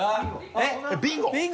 えっビンゴ？